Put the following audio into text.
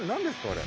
あれ。